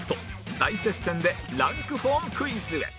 大接戦でランク４クイズへ